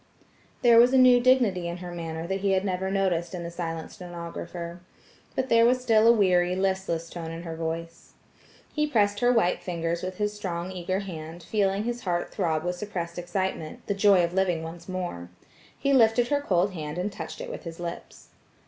There was a new dignity in her manner that he had never noticed in the silent stenographer. But there was still a weary, listless tone in her voice. He pressed her white fingers with his strong eager hand, feeling his heart throb with suppressed excitement–the joy of living once more. He lifted her cold hand and touched it with his lips.